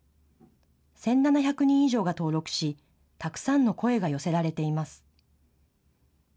１７００人以上が登録したくさんの声が寄せられています。